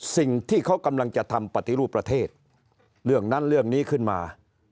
สิ่งที่เขากำลังจะทำปฏิรูปประเทศเรื่องนั้นเรื่องนี้ขึ้นมา